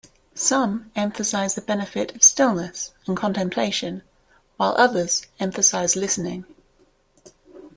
Some emphasize the benefit of stillness and contemplation, while others emphasise listening.